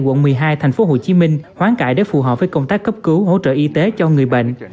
quận một mươi hai tp hcm hoán cải để phù hợp với công tác cấp cứu hỗ trợ y tế cho người bệnh